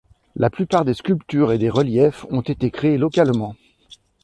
La plupart des sculptures et des reliefs ont été créés localement.